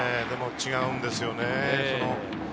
でもやっぱり違うんですよね。